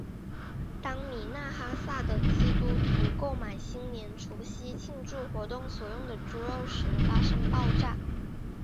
当米纳哈萨的基督徒购买新年除夕庆祝活动所用的猪肉时发生爆炸。